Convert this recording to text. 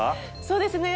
そうですね。